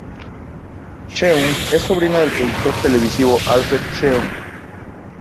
Cheung es sobrina del productor televisivo Alfred Cheung.